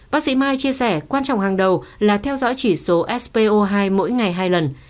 bác sĩ mai chia sẻ quan trọng hàng đầu là theo dõi chỉ số spo hai mỗi ngày hai lần